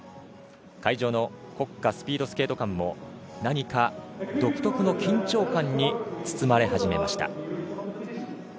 会場の国家スピードスケート館も何か独特の緊張感に包まれ始めました。